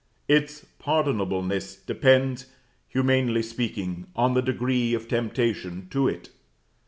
Its pardonableness depends, humanly speaking, on the degree of temptation to it.